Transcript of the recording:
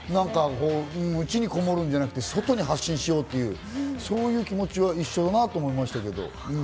内にこもるんじゃなくて外に発信しようという、そういう気持ちが一緒だなと思いましたけど。